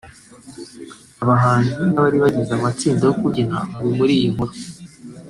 Abahanzi n’abari bagize amatsinda yo kubyina bari muri iyi nkuru